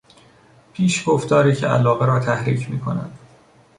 پیشگفتاری که علاقه را تحریک میکند